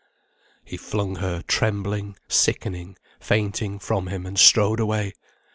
He flung her, trembling, sickening, fainting, from him, and strode away.